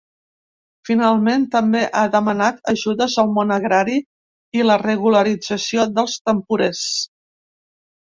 Finalment, també ha demanat ajudes al món agrari i la regularització dels temporers.